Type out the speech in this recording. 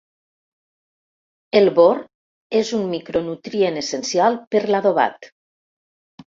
El bor és un micronutrient essencial per l'adobat.